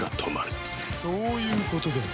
そういうことだ。